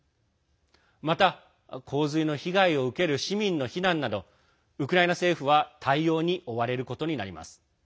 また、洪水の被害を受ける市民の避難などウクライナ政府は対応に追われることになります。